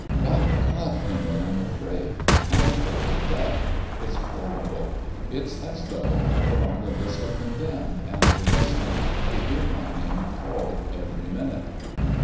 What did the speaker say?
By God, Henry, I'm afraid; I'm afraid of Death! It's horrible! It's as though I were on the list of 'condemned' and were listening to hear my name called every minute."